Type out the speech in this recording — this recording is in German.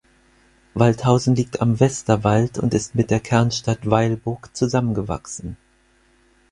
Waldhausen liegt am Westerwald und ist mit der Kernstadt Weilburg zusammengewachsen.